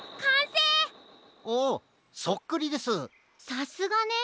さすがね！